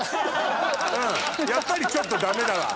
うんやっぱりちょっとダメだわ。